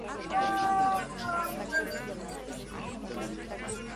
El montaje completo se recuperó para su emisión por televisión en la cadena Fox.